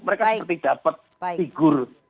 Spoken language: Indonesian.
mereka seperti dapat figur